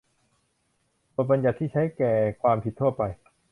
บทบัญญัติที่ใช้แก่ความผิดทั่วไป